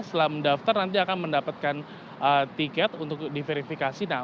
setelah mendaftar nanti akan mendapatkan tiket untuk diverifikasi